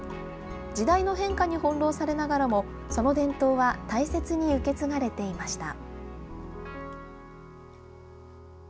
時代の変化に翻弄されながらもその伝統は大切に受け継がれていました。